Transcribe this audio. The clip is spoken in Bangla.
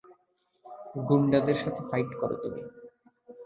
গুন্ডাদের সাথে ফাইট কর তুমি।